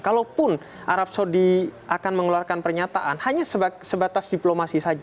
kalaupun arab saudi akan mengeluarkan pernyataan hanya sebatas diplomasi saja